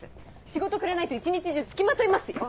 仕事くれないと一日中つきまといますよ！